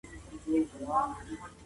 پلان جوړول د ښوونکي له خوا کيږي.